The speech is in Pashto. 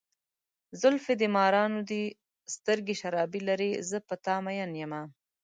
زلفې دې مارانو دي، سترګې شرابي لارې، زه په ته ماين یمه.